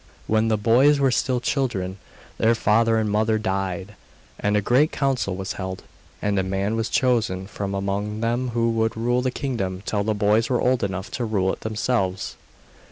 When the boys were still children, their father and mother died, and a great council was held, and a man was chosen from among them who would rule the kingdom till the boys were old enough to rule it themselves.